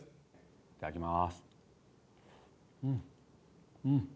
いただきます。